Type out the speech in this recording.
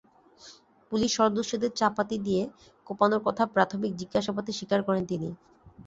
Police সদস্যদের চাপাতি দিয়ে কোপানোর কথা প্রাথমিক জিজ্ঞাসাবাদে স্বীকার করেন তিনি।